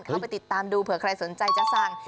เข้าไปติดตามดูเผื่อใครสนใจจะสั่ง